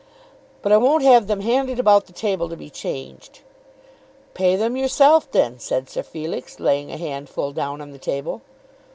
"But I won't have them handed about the table to be changed." "Pay them yourself, then," said Sir Felix, laying a handful down on the table.